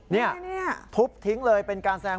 นี่ทุบทิ้งเลยเป็นการแซง